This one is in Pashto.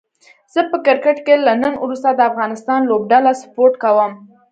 زه په کرکټ کې له نن وروسته د افغانستان لوبډله سپوټ کووم